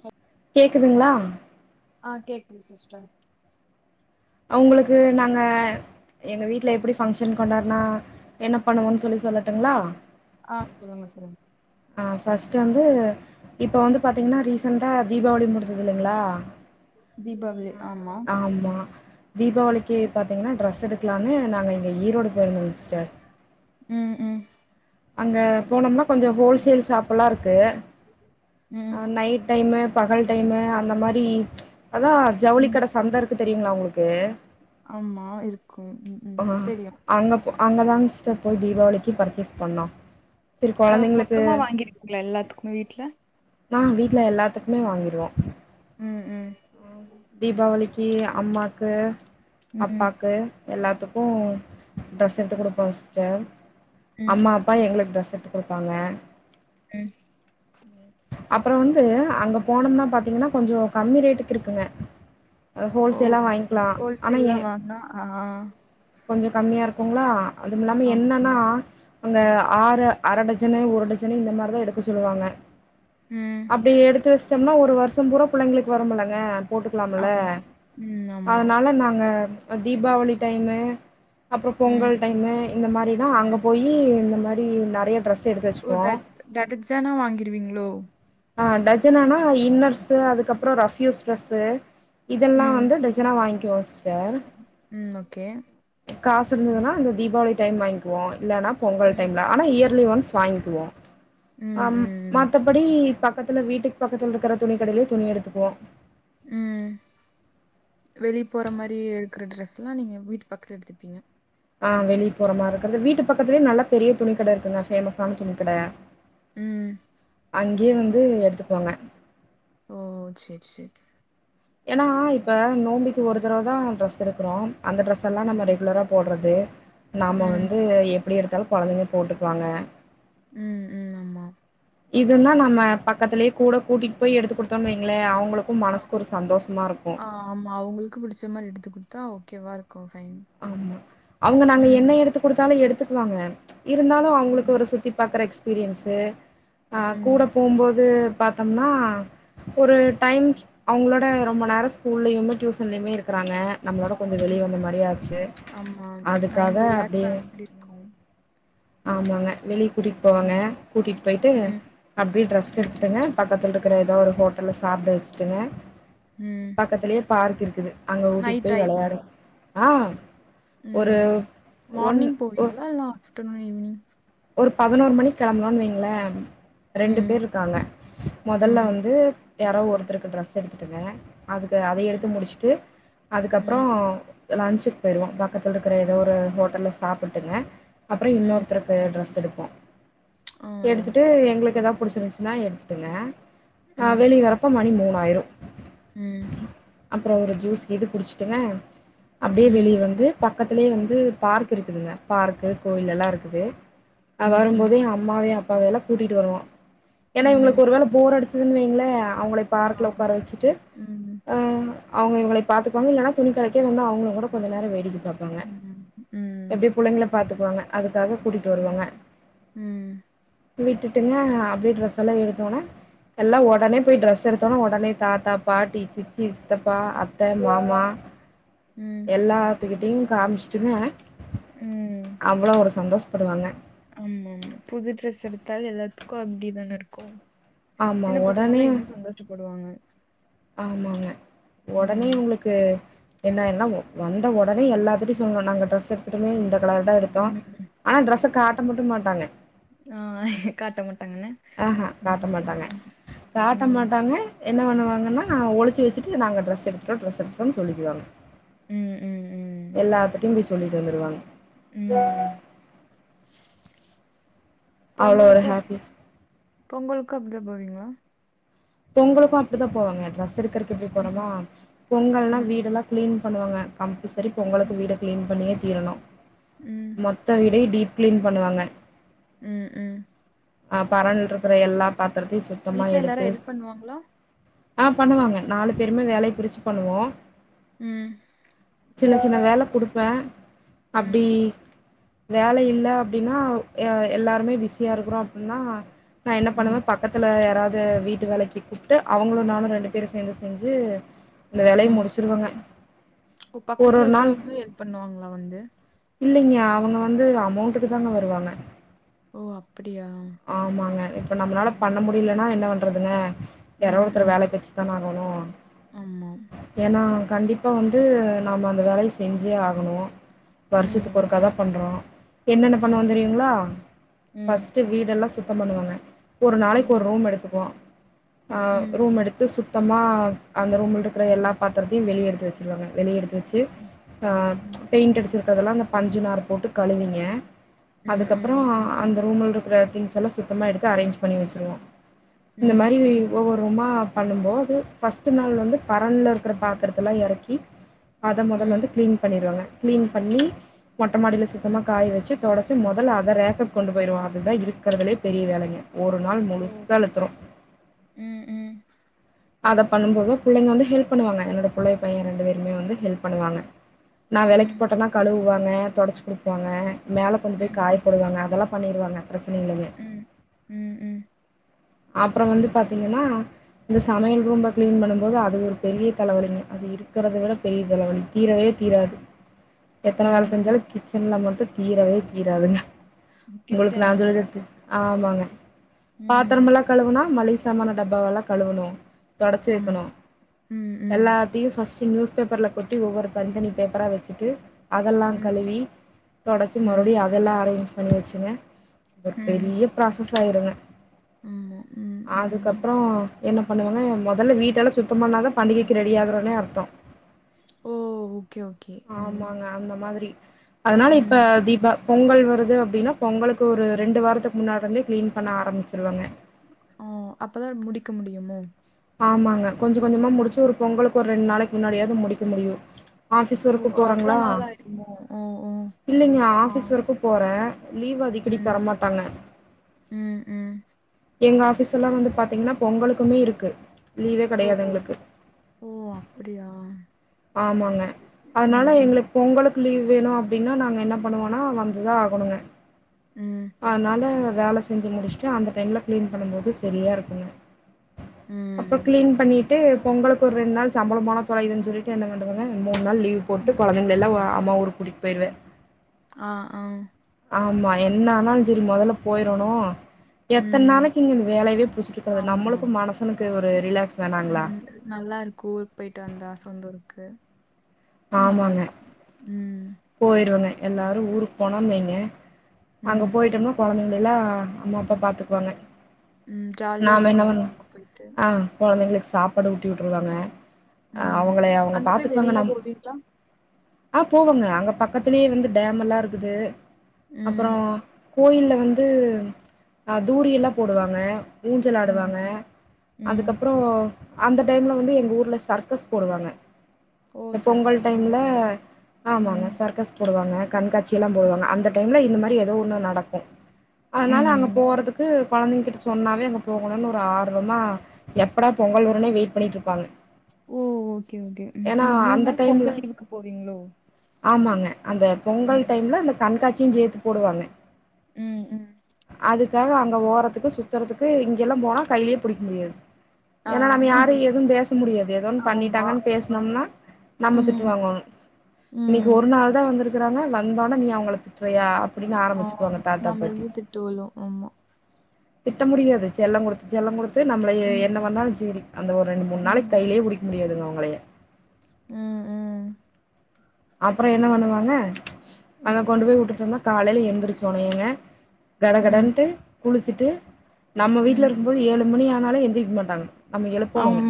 ஹ [unintelligible] கேக்குதுங்ளா ஆ கேக்குது சிஸ்டர் அவுங்களுக்கு நாங்க எங்க வீட்ல எப்புடி பங்க்ஷன் கொண்டாடுனா என்ன பண்ணுவோன்னு சொல்லி சொல்லட்டுங்ளா ஆ சொல்லுங்க சொல்லுங்க ஆ ஃபஸ்ட் வந்து இப்போ வந்து பாத்தீங்னா ரீசண்டா தீபாவளி முடிஞ்சுது இல்லைங்ளா தீபாவளி ஆமா ஆமா தீபாவளிக்கி பாத்தீங்கனா ட்ரெஸ் எடுக்கலான்னு நாங்க இங்க ஈரோடு போயிருந்தோ சிஸ்டர் ம் ம் அங்க போனோம்னா கொஞ்ச ஹோல்சேல் ஷாப்பலா இருக்கு அ ம் நைட் டைமு பகல் டைமு அந்த மாரி அதா ஜவுளி ம் கட சந்த இருக்கு தெரியுங்ளா உங்களுக்கு ஆமா இருக்கும் ம் ம் தெரியு ஆ அங்க போ அங்க தாங்க ஸ்டர் போய் தீபாவளிக்கு பர்ச்சேஸ் பண்ணோ சரி அ கொழந்தைங்களுக்கு மொத்தமா வாங்கிர்க்கீங்களா எல்லாத்துக்குமே வீட்ல ஆ வீட்ல எல்லாத்துக்குமே வாங்கிருவோ ம் ம் தீபாவளிக்கு அம்மாக்கு ம் அப்பாக்கு எல்லாத்துக்கு டிரெஸ் எடுத்து குடுப்போ சிஸ்டர் ம் அம்மா அப்பா எங்களுக்கு ட்ரெஸ் எடுத்து குடுப்பாங்க ம் அப்புறோ வந்து அங்க போனம்னா பாத்தீங்கன்னா கொஞ்சோ கம்மி ரேட்டுக்கு இருக்குங்க ஹ ஓ ஹோல்சேல்லா வாங்கிக்கலா ஆனா ஏ ஹோல்சேல்லா வாங்குனா ஆ கொஞ்ச கம்மியா இருக்குங்களா அதுமில்லாம ஆம் என்னன்னா ம் அங்க ஆறு அரை டஜனு ஒரு டஜனு இந்த மாரிதா எடுக்க சொல்லுவாங்க ம் அப்டி எடுத்து வச்சிட்டோம்னா ஒரு வருஷம் பூரா புள்ளைங்களுக்கு வரமுல்லங்க போட்டுக்கலாம்ல ஆமா ம் ஆமா அதனால நாங்க தீபாவளி டைமு அப்புறோ ம் பொங்கல் டைமு இந்த மாரிதா அங்க ம் போயி இந்த மாரி நறைய டிரெஸ் ஓ ட டஜனா வாங்கிருவீங்ளோ ஆ டஜனானா இன்னர்ஸு அதுக்கப்றோ ரஃப் யூஸ் டிரஸ் இதெல்லா ம் வந்து ஜனா வாங்கிக்குவோ சிஸ்டர் ம் ஓகே காசு இருந்ததுன்னா அந்த தீபாவளி டைம் வாங்கிக்குவோ இல்லன்னா பொங்கல் ம் டைம்ல ஆனா இயர்லி ஒன்ஸ் வாங்கிக்குவோ ம் மத்தபடி பக்கத்துல வீட்டுக்கு பக்கத்துல இருக்கிற துணி கடைலயே துணி எடுத்துக்குவோ ம் வெளிய போற மாரி எடுக்கிற ட்ரெஸ்லா நீங்க வீட்டு பக்கத்துல எடுத்துப்பீங்க ஆ வெளிய போறமா இருக்கறது வீட்டு பக்கத்துலயே நல்லா பெரிய துணிக் கடை இருக்குங்க பேமஸ் ஆன துணிக்கடை ம். அங்கே வந்து எடுத்துக்குவாங்க ஓ செர் செரி ஏன்னா இப்ப நோம்பிகு ஒரு தடவ தான் டிரெஸ் எடுகுறோம் அந்த டிரெஸ் இதல்லாம் நம்ம ம். ரெகுலரா போடுறது நாம்ம ம். வந்து எப்டி எடுத்தாலும் கொழந்தைங்க போட்டுகுவாங்க ம் ம் ஆமா. இது நா நம்ம பக்கத்திலயே கூட கூட்டிட்டு போய் எடுத்து கொடுத்தோனு வைங்களே அவங்களு க்கும் ஆ மனசுக்கு ஒரு சந்தோஷமா இருக்கும் ஆ ஆமா அவங்களுக்கு புடிச்ச மாரி எடுத்து கொடுத்தா ஓகேவா இருக்கும் ஃபைன் ஆமா அவுங்க நாங்க என்ன ம். எடுத்து கொடுத்தாலும் எடுத்துக்குவாங்க இருந்தாலும் அவங்களுக்கு ம். ஒரு சுத்தி பார்க்குற எக்ஸ்பீரியன்ஸு ஆ கூட ம். போகும்போது பாத்தம்னா ஒரு டைம் அவ்ங்களோட ரொம்ப நேரம் ஸ்கூல்லைமே டியூசன்லைமே இருக்கிறாங்க நம்மளோட கொஞ்ச வெளிய ம். வந்த ம். மாரி ஆச்சி ஆமா மைண்ட் ரிலாக்ஸ் ஆன மாரி இருக்கும் ஆமாங்க வெளிய கூட்டிட்டு போவாங்க ம். கூட்டிட்டு போய்ட்டு ம். அப்டியே ட்ரெஸ் ம். எடுத்துட்டுங்க பக்கத்துல இருக்கிற ஏதோ ஒரு ஹோட்டல்ல சாப்ட வச்சுடுங்க ம். பக்கத்திலயே பார்க் இருக்குது அங்க ஊட்டிட்டு நைட் போய் ஆயிருமோ? விளையாடும் ஆ ஒரு ம் ஒன் மார்னிங் போவீங்களா இல்ல ஆஃப்டர்நூன் ஈவினிங் ஒரு பதினோரு மணி கிளம்பலான்னு வைங்களே ரெண்டு ம். பேர் இருக்காங்க முதல்ல ம். வந்து யாரோ ஒருத்தருக்கு ட்ரெஸ் எடுத்துட்டுங்க அதுக்கு அத ம். எடுத்து முடிச்சுட்டு அதுக்கப்பறோ ம். லன்சிக்கு போயிருவோம் பக்கத்தில் இருக்கிற ஏதோ ஒரு ஹோட்டல சாப்பிட்டுங்க அப்றம் ம். இன்னொருத்தருக்கு டிரஸ் எடுப்போம் ஓ! எடுத்துட்டு எங்களுக்கு ஏதாவது புடிச்சிருந்துச்சின்னா எடுத்துட்டுங்க ஆ ம். வெளிய வரப்ப மணி மூணாயிரும் ம் அப்பறோ ஒரு ஜூஸ் எது குடிச்சுட்டுங்க அப்டியே ம். வெளிய வந்து பக்கதுலயே வந்து பார்க் இருக்குதுங்க பார்க்கு கோயிலல்லாம் இருக்குது அ ம். ம். வரும்போதே என் அம்மாவையும் அப்பாவையும் எல்லாம் கூட்டிட்டு வருவோம் ஏன்னா ம். இவங்களுக்கு ஒரு வேல போர் அடிச் சிதுன்னு வைங்களேன் அவங்கள ஆ. பார்க்குல உட்கார வச்சுட்டு ம். அ அவ்ங்க இவங்களை பாத்துக்குவாங்க இல்லைன்னா துணி கடைக்கே வந்து அவங்கள கூட கொஞ்சம் நேரோ வேடிக்கை பாப்பாங்க ம். ம். எப்டி புள்ளைங்களை பாத்துக்குவாங்க அதுக்காக கூட்டிட்டு ஆமா. வருவாங்க ம். விட்டுட்டுங்க அப்டியே ட்ரெஸ் எல்லாம் எடுத்தவுனே எல்லாம் உடனே போயி ட்ரெஸ் எடுத்தவுன்னே உடனே தாத்தாப் பாட்டி சித்தி சித்தப்பா அத் த்த மாமா ம். எல்லாத்துக்கிட்டயும் காமிச்சுட்டுங்க ம் அவ்ளோ ஒரு சந்தோஷப்படுவாங்க ஆமா ஆமா புது ட்ரெஸ் எடுத்தாலே எல்லாத்துக்கும் அப்டிதானே இருக்கும் ஆமா சின்ன பசங்க ஒடனே எல்லாம் இன்னும் சந்தோஷப்படுவாங்க ஆமாம்மா உடனே ம். இவங்களுக்கு தே என்ன என்னா வந்த உடனே எல்லாத்துட்டையும் சொல்ணும் நாங்க ட்ரெஸ் எடுத்துட்டமே இந்த கலர் தான் எடுத்தோம் ம். ஆனா ட்ரெஸ்ச காட்ட மட்டும் மாட்டாங்க அ எ காட்ட மாட்டாங்க ஆஹா காட்ட மாட்டாங்க காட்ட ம். மாட்டாங்க என்ன பண்ணுவாங்கன்னா ஒழிச்சி வச்சட்டு நாங்க டிரெஸ் எடுத்துட்டோம் ட்ரெஸ் எடுத்துட்டோ சொல்லிக்குவாங்க ம். ம். எல்லாதுட்டையும் போய் சொல்லிட்டு வந்துருவாங்க ம். அவ்வளோ ஒரு பொங்கலுகும் ஹாப்பி பொங்கலுக்கும் அப்டிதா போவீங்களா பொங்கலுக்கும் அப்டித்தான் போவாங்க ட்ரெஸ் எடுக்குறதுகு எப்டி போறோமோ ம். பொங்கல்னா ம். வீடல்லாம் கிளீன் பண்ணுவாங்க கம்பல்சரி பொங்கலுக்கு ம். வீட கிளீன் பண்ணியே தீரணும் ம். மொ மொத்த வீடயு டீப் கிளீன் பண்ணுவாங்க ம் ம் அ பரன் ல இருக்கற எல்லா பாத்திரத்தையும் சுத்தமா வீட்ல எடுத்து எல்லாரும் ஹெல்ப் பண்ணுவாங்களா? அ பண்ணுவாங்க நாலு பேருமே வேலைய பிரிச்சு பண்ணுவோ ம் சின்ன சின்ன வேல குடுப்ப அப்டி ம். வேல இல்ல அப்டின்னா எ எல்லாருமே பிஸியா இருக்கறோ அப்டின்னா நா என்ன பண்ணுவ ம். பக் பக்கத்துல யாராவது வீட்டு வேலைக்கு கூப்ட்டு அவுங்களு நானு ரெண்டு பேரு சேந்து செஞ்சு அந்த வேலைய ம். முடிச்சிருவங்க ஓ ஒரு பக்கத்துல ஒரு நாள் இருக்கறவுங்க ஹெல்ப் பண்ணுவாங்களா வந்து இல்லைங்க அவுங்க வந்து அமௌண்ட்டுக்கு தாங்க வருவாங்க ஓ அப்படியா ஆமாங்க இப்ப நம்மளால ம். பண்ண முடியலன்னா என்ன பண்றதுங்க யாரோ ம், ஒருத்தர வேலைக்கு ம். வச்சுதான ஆகணு ஆமா. ஏன்னா கண்டிப்பா வந்து நாம அந்த வேலைய செஞ்சே ஆகணு வருஷத்துக்கு ம். ஒருக்கா தா பண்றோ என்னென்ன பண்ணுவோ ஆமா. தெரியுங்ளா ம் வீடெல்லா சுத்தம் பண்ணுவங்க ஒரு நாளைக்கு ஒரு ம். ரூம் எடுத்துக்குவோ அ ம். ரூம் எடுத்து சுத் தமா அந்த ரூம்ல இருக்ற எல்லா பாத்திரத்தையு வெளிய எடுத்து வச்சிருவங்க வெளிய எடுத்து வச் சு அ ம். பெயிண்ட் அடிச்சிருக்கதெல்லா அந்த பஞ்சு நார் போட்டு கழுவிங்க ம். அதுக்கப்புறோ ம். அந்த ரூம்ல இருக்கற திங்ஸ்ல்லா சுத்தமா எடுத்து அரேஞ்ச் பண்ணி வச்சிருவோ இந்த ம். மாரி ஒவ்வொரு ரூமா பண்ணும்போது ஃபர்ஸ்ட்டு நாள் வந்து பரன்ல இருக்கற பாத்தரத்தெல்லா எறக்கி அத மொதல்ல ம். வந்து கிளீன் பண்ணிடுவங்க கிளீன் பண்ணி மொட்ட மாடில ம். சுத்தமா காய வச்சு தொடச்சி மொதல்ல அத ரேக்குக்குப் கொண்டு போயிருவோ அது தா இருக்கறதுலேயே பெரிய வேலைங்க ஒரு நாள் ஓ! முழுசா இழுத்துரு ம் ம் அத பண்ணும் போது புள்ளைங்க வந்து ஹெல்ப் பண்ணுவாங்க என்னோட புள்ளயோ பையன் ரெண்டு பேருமே வந்து ஹெல்ப் பண்ணுவாங்க நான் வெலக்கி ம். போட்டன்னா கழுவுவாங்க தொடச்சி குடுப்பாங்க மேல கொண்டு போய் ம். காய ம். போடுவாங்க அதெல்லா பண்ணிருவாங்க பிரச்சன இல்லைங்க ம். ம். ம். அப்றோ வந்து பாத்தீங்கன்னா இந்த சமையல் ரூம்ப க்ளீன் பண்ணும்போது அது ஒரு பெரிய தலைவலிங்க அது இருக்கறத விட பெரிய தலைவலி தீரவே தீராது எத்தன வேல ம். செஞ்சாலு ம். கிச்சன்ல மட்டு தீரவே தீராதுங்க உங்களுக்கு ந கிச்சன் ஆமா. சொல்த து ஆமாங்க ம். பாத்தரம் எல்லா கழுவுனா மளிக சாமான டப்பாவல்லா கழுவனு தொடச்சு வைக்கணு ஆமா. ம். ம். எல்லாத் தியு ஃபஸ்ட்டு நியூஸ் பேப்பர்ல கொட்டி ஒவ்வொரு தனித்தனி பேப்பரா வச்சுட்டு அதெல்லா ம். கழுவி தொடச்சி ம். மறுபடியு அதெல்லா அரேஞ்ச் பண்ணி வச்சுங்க ஒரு பெரிய ப்ராசஸ் ஆய்ருங்க ம் ம் ம் அதுக்கப்றோ என்ன பண்ணுவங்க மொதல்ல வீட்டெல்லா சுத்தோ பண்ணாதா பண்டிகைக்கு ரெடி ஆகுறோனே அர்த்தோ ஓ ஓகே ஓகே ம் ஆமாங்க அந்த மாதிரி அதனால ம். இப்ப தீபா பொங்கல் வருது அப்டின்னா பொங்கலுக்கு ஒரு ரெண்டு வாரத்துக்கு முன்னாடி இருந்தே க்ளீன் பண்ண ஆரம்பிச்சடுவாங்க அ அப்பதா முடிக்க முடியுமோ ஆமாங்க கொஞ்சோ கொஞ்சமா ம். முடிச்சு ஒரு பொங்கலுக்கு ஒரு ரெண்டு நாளைக்கு முன்னாடியாவது முடிக்க முடியு ஆஃபீஸ் ஓ! ஒர்க்கு அவ்ளோ போறோங்களா நாள் ஆயிருமோ? ஓ! ஓ! இல்லைங்க ஆ. ஆஃபீஸ் ஒர்க்கு போறே லீவ் அடிக்கடி ம். தரமாட்டாங்க ம் ம் எங்க ஆஃபீஸ்ல்லா வந்து பாத்தீங்கனா பொங்கலுக்குமே இருக்கு லீவே ஓ கெடையாது எங்களுக்கு. ஓ அப்டியா ஆமாங்க அதனால எங்ளுக்கு பொங்கல் லீவ் வேணு அப்டின்னா நாங்க என்ன பண்ணுவோனா வந்துதா ஆகணுங்க ம் அதனால வேல செஞ்சு முடிச்சுட்டு அந்த டைம்ல க்ளீன் பண்ணும்போது சரியா இருக்குங்க அப்போ ம். க்ளீன் பண்ணிட்டு பொங்கலுக் ஒரு ரெண்டு நாள் சம்பளோ போனா தொலையுதுன் சொல்லி என்ன பண்றதுங்க மூண் நாள் லீவ் போட்டு ம். கொழந்தைங்கலெல்லா அம்மா ஊருக்கு கூட்டிட் போய்ருவ ஆ, ஆ. ஆமா என்ன ஆனாலு சரி மொதல்ல போய்ரணு எத்தன் ம். நாளைக்கு இங்க வேலையவே புடிச்சிட்டு இருக்கறது ஆமா. நம்மளுக்கு மனுசனுக்கு ஒரு ரிலாக்ஸ் வேணாங்களா ம் நல்லாருக்கு ஊருக்கு போய்ட்டு வந்தா சொந்த ஊருக்கு நல்லாருக்கு ம் போய்ருவங்க எல்லாரு ஊருக்கு போனோன் வைங்க அங்க ம், போய்ட்டம்னா கொழந்தைங்கள லா அம்மா அப்பா பாத்துக்குவாங்க ம். ஜாலியா நாம என்ன இருக்கும் பண்ண அங்க போயிட்டு. ஆ கொழந்தைங்களுக்கு சாப்பாடு ஊட்டி உட்ருவாங்க அ ம். அவங்கள அவங்க அங்க போய் பாத்துக்குவாங்க வெளியில நம் போவீங்களா? ஆ போவோங்க அங்க பக்கத்துலயே வந்து ம், டேம் எல்லா இருக்குது அப்பறோ ம், கோயில்ல வந்து அ தூரியல்லா போடுவாங்க ஊஞ்சல் ஆடுவாங்க ம், ம். அதுக்கப் அப்றோ அந்த டைம்ல வந்து எங்க ஊர்ல சர்க்கஸ் போடுவாங்க ஓ! இந்த பொங்கல் சர்க்கஸ் டைம்ல போடுவாங்களா? ஆமாங்க ம், சர்க்கஸ் போடுவாங்க கண்காட்சி எல்லா ம், போடுவாங்க அந்த டைம்ல இந்த மாரி ஏதோ ஒன்னு நடக்கு அதனால அங்க ம். போறதுக்கு கொழந்தைங்க கிடைச்ச சொன்னாவே அங்க போகணுன் ஒரு ஆர்வமா எப்படா பொங்கல் வருன்னே வெயிட் பண்ணிட்ருப்பாங்க ஓ ஓகே ஓகே ம் அந்த மூண் நாள் பொங்கல் லீவுக்கு போவீங்களோ ஆமாங்க அந்த பொங்கல் ம், டைம்ல அந்த கண்காட்சியு சேத்து போடுவாங்க ம் ம் அதுக்காக அங்க ஓறதுக்கு சுத்துறதுக்கு இங்கெல்லா போனா கைலயே புடிக்க முடியாது ஏனா நம்ம ஆ. யாரு எதுவு பேச முடியாது ஏதோ ஒன்னு ஆமா. பண்ணிட்டாங்கன் பேசனம்னா நம்ம திட்டு ம். வாங்கோணு இன்னிக்கு ம். ஒரு நாள் தா வந்துருக்குறாங்க வந்தோன நீ அவங்கள திட் ரயா அப்டின்னு ஆ. ஆரம்பிச்சிருவாங்க தாத்தா பாட்டி நம்மளுக்கு திட்டு விழும். ஆமா. திட்ட முடியாது செல்லோ குடுத் செல்லோ குடுத்து நம்மளயே ம். என்ன பண்ணாலு சேரி அந்த ஒரு ரெண்டு மூண் நாளைக் ம். கைலயே புடிக் முடியாதுங்க அவுங்களய ம் ம் அப்றோ என்ன பண்ணுவாங்க அங்க ம். கொண்டு போய் விட்டுட்டம்னா காலைல எந்துருச்ச ஒனயேங்க கட ம். கடன்ட்டு குளிச்சுட்டு நம்ம வீட்ல ம். இருக்குபோது ஏழு மணி ஆனாலு எந்திரிக்க மாட்டாங்க நம்ம எழுப்போனுங்க ஆம்.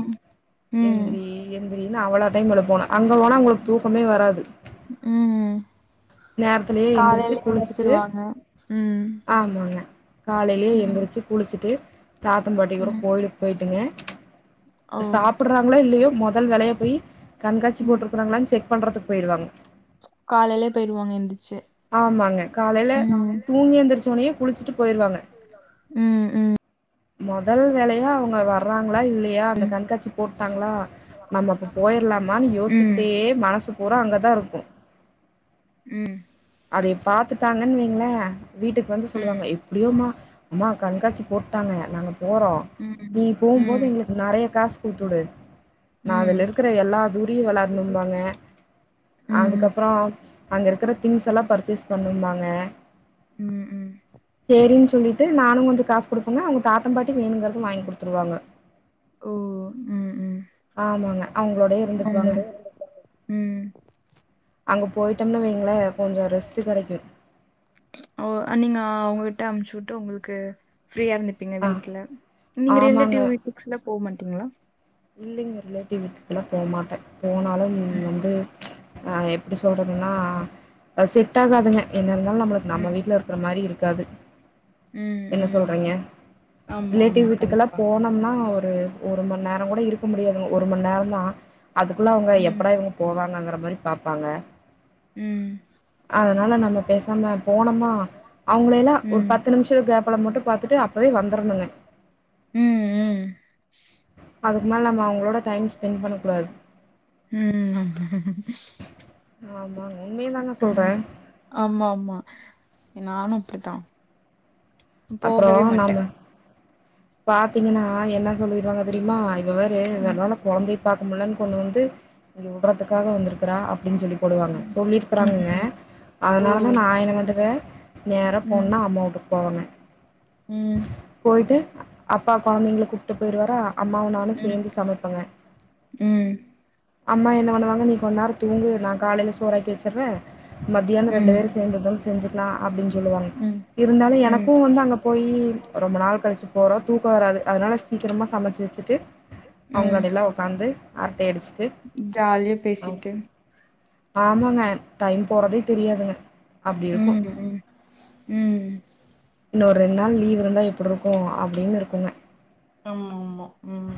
ம். எந்திரி எந்திரினு அவ்ளோ டைம் எழுப்போனு அங்க போனா உங்களுக் தூக்கமே வராது ம் நேர்த்திலயே எந்திரிச்சு காலையில குளிச்சுட்டு எந்திரிச்சிருவாங்க. ம். ஆமாங்க காலைலயே ம். எந்திரிச்சு குளிச்சுட்டு தாத்தம்பாட்டி கூட ம். கோயிலுக்கு போய்ட்டுங்க ஓ! சாப்புட்றாங்களோ இல்லியோ மொ தல் வேலையா போயி கண்காட்சி போட்டுருக்றாங்காளான் செக் பண்றதுக் போயிருவாங் ச் காலைலே போய்டுவாங்க எந்துச்சு ஆமாங்க காலைல ம் ஆ தூங்கி எந்திரிச்சோனயே குளிச்சுட்டு போயிருவாங்க ம் ம் மொதல் வேலையா அவங்க வர்றாங்ளா இல்லயா அந்த கண்காட்சி போட்டாங்ளா நம்பப்போ போய்ர்லாமான் ம். யோஸ்ச்க்கிட்டே மனசு பூறா அங்கதா இருக்கு ம் அதய பாத்துட்டாங்கன் வைங்ள வீட்டுக்கு வந்து ம். ம். சொல்லுவாங்க ம். எப்டியோமா அம்மா கண்காட்சி போட்டாங்க நாங்க போறோ நீ ம். போம்போது ம். எங்ளுக்கு நெறைய காசு குட்த்துடு நா ம். அதுல இருக் குற எல்லா தூரியு வெளாட்னும்பாங்க ம். அதுக்கப்புறோ அங்க இருக்கிற திங்ஸ் எல்லா பர்ச்சேஸ் பண்ணும்பாங்க ம். ம். சேரின் சொல்லிட் டு நானு கொஞ்சோ காசு குடுப்பங்க அவுங்க தாத்தம் பாட்டி வேணுங்கர்து வாய்ங் குடுத்துருவாங்க ஓ ஓ ம் ம் ஆமாங்க அவுங்ளோடயே ம். இருந்துக்வாங்க ம். அங்க போய்ட்டோம்னு வைங்களே கொஞ்சோ ரெஸ்ட்டு கெடைக்கு ஓ அ நீங்க அவுங்ககிட்ட அம்ச்சு உட்டு உங்குளுக்கு ஃப்ரீயா இருந்துப் பீங்க ஆ வீட்ல நீங்க ஆமாங்க ரிலேட்டிவ் வீட்டுக்ஸ்லா போ மாட்டீங்ளா இல்லீங்க ரிலேட்டிவ் வீட்டுக்லா போ மாட்டே போனாலும் ம், வந்து ஆ எப்படி சொல்றதுன்னா அத் செட் ஆகாதுங்க என்ன இருந்தாலு நம்முளுக் நம்ம ம், வீட்ல இரு க்குற மாரி இருக்காது ம், என்ன ம். சொல்றீங்க ஆமா, ஆமா. ரிலேட்டிவ் வீட்டுக்கெல்லா கண்டிப்பா. போனொ ம்னா ஒரு ஒரு மண் நேரங்கூட இருக்க முடியாதுங்க ஒரு மண் நேரோந்தா அதுக்குள்ள அவுங்க ம், எப்படா இவங்க போவாங்கங்கற மாரி பாப்பாங்க ம். அதனால நம்ம பெசாம போனமா அவுங்களேலா ஒரு ம். பத்து நிமிஷ கேப்புல மட்டு பாத்துட்டு அப்பவே வந்தரணுங்க ம் ம் அதுக் மேல நம்ம அவுங்ளோட டைம் ஸ்பெண் பண்ணக்கூடாது ம் ஆமாங் உண்மயதாங்க சொல்றே ம். ஆமா ஆமா நானு அப்டித்தா போகவே மாட்டே பாத்தீங்கின்னா என்ன சொல்லிருவாங்க தெரியுமா இவ வேற ம், இவளால கொழந்தை பாக்க முல்லேன் கொண்டு வந்து இங்க உட்றதுக்காக வந்துருக்குறா அப்டின் சொல்லி போடுவாங்க ம், சொல்லிருக்கறாங்கங்க ம். ஓ! அதனாலதா நா என்ன பன்டுவே நேரா ம், போன்னா அம்மா வூட்டுக் போவங்க ம் போய்ட்டு அப்பா கொழந்தைங்ள கூப்ட் டு போய்ருவாரா அம்மாவு நானு ம், சேந்து சமைப்பங்க ம், அம்மா என்ன வண்ணுவாங்க நீ கொந்நேரோ தூங்கு நா காலைல சோறாக்கி வெச்சற்றே மத்தியானோ ரெண்டு ம், வேறு சே சேந்துக்காந் செஞ்சுக்லா அப்டின் சொல்லுவாங்க ம். இருந்தாலு ம் எனக்கு வந்து அங்க போயி ரொம்ப நாள் கழிச்சு போறோ தூக்கோ வராது அதனால சீக்கிரமா சமச்சு வெச்சிட்டு அவங்ளோடெல்லா உக்காந்து ட்டை அடிச்சிட்டு ஜால்யா பேசிட்டு ஆமாங்க டைம் போறதே தெரியாதுங்க அப்டி இருக்கு ம் ம் ம் இன்னோர் ரெண் நாள் லீவ் இருந்தா எப்புட்ருக்கு அப்டின் இருக்குங்க ஆம்மா ம்மா ம்